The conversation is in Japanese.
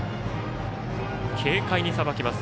軽快にさばきます。